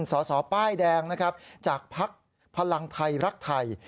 สอสอป้ายแดงนะครับจากพรรณไทรรักไทย